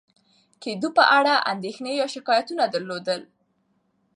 کېدو په اړه اندېښنې یا شکایتونه درلودل،